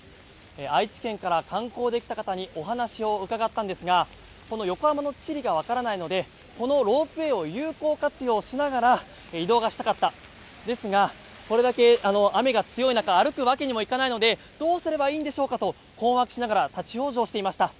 愛知県から観光で来た方にお話を伺ったんですがこの横浜の地理がわからないのでこのロープウェーを活用しながら移動がしたかったですが、これだけ雨が強い中歩くわけにもいかないのでどうすればいいんでしょうかと困惑しながら立ち往生していました。